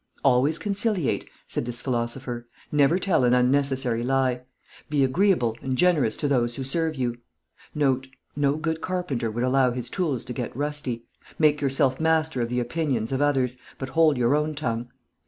"Always conciliate," said this philosopher. "Never tell an unnecessary lie. Be agreeable and generous to those who serve you. N.B. No good carpenter would allow his tools to get rusty. Make yourself master of the opinions of others, but hold your own tongue.